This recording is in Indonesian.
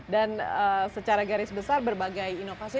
dan secara garis besar berbagai inovasi